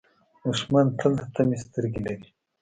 دښمن تل د طمعې سترګې لري